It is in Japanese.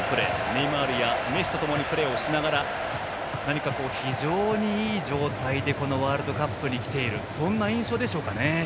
ネイマールやメッシとともにプレーをしながら何か、非常にいい状態でこのワールドカップに来ているそんな印象でしょうかね。